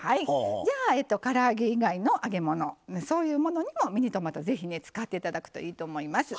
から揚げ以外の揚げ物そういうものにもミニトマトを使っていただければと思います。